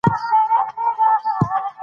دریابونه د افغان ښځو په ژوند کې رول لري.